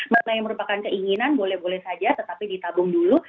mana yang merupakan keinginan boleh boleh saja tetapi ditabung dulu